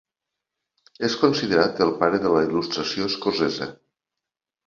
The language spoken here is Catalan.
És considerat el pare de la Il·lustració escocesa.